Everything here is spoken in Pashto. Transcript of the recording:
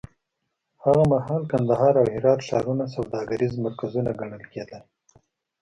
هغه مهال کندهار او هرات ښارونه سوداګریز مرکزونه ګڼل کېدل.